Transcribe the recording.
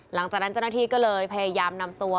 หลังจากนั้นเจ้าหน้าที่ก็เลยพยายามนำตัว